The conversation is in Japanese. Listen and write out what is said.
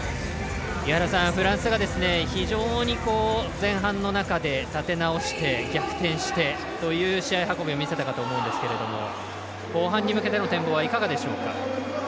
フランスが非常に前半の中で立て直して逆転してという試合運びを見せたかと思うんですけれども後半に向けての展望はいかがでしょうか？